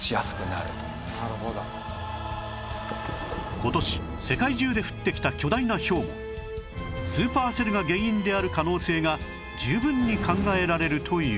今年世界中で降ってきた巨大なひょうもスーパーセルが原因である可能性が十分に考えられるという